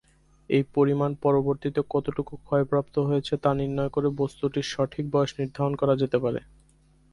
এই পরিমাণ পরবর্তিতে কতটুকু ক্ষয়প্রাপ্ত হয়েছে, তা নির্ণয় করে বস্তুটির সঠিক বয়স নির্ণয় করা যেতে পারে।